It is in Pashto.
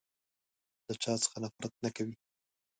له چا څخه نفرت نه کوی.